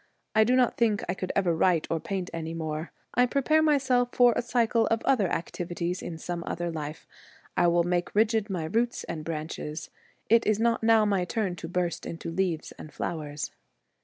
I do not think I could ever write or paint any more. I prepare myself for a cycle of other activities in some other life. I will make rigid my roots and branches. It is not now my turn to burst into leaves and flowers.'